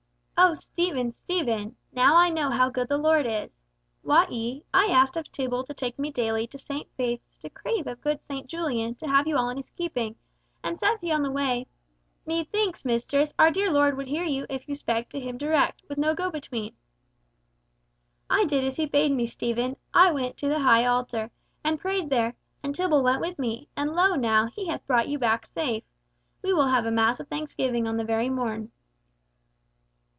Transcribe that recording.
"O Stephen, Stephen! Now I know how good the Lord is. Wot ye, I asked of Tibble to take me daily to St. Faith's to crave of good St. Julian to have you all in his keeping, and saith he on the way, 'Methinks, mistress, our dear Lord would hear you if you spake to Him direct, with no go between.' I did as he bade me, Stephen, I went to the high Altar, and prayed there, and Tibble went with me, and lo, now, He hath brought you back safe. We will have a mass of thanksgiving on the very morn."